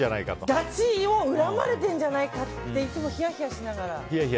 勝ちを恨まれてるんじゃないかといつもひやひやしながら。